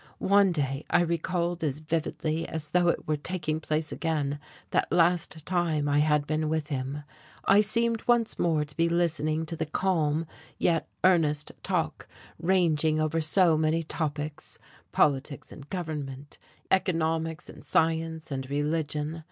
One day I recalled as vividly as though it were taking place again that last time I had been with him; I seemed once more to be listening to the calm yet earnest talk ranging over so many topics, politics and government, economics and science and religion.